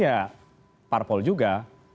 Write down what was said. ya parpol juga